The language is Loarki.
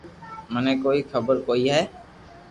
منن ڪوئي خبر ڪوئي ھي